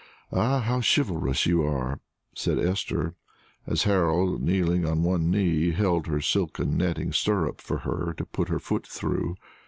Ah, how chivalrous you are!" said Esther, as Harold, kneeling on one knee, held her silken netting stirrup for her to put her foot through.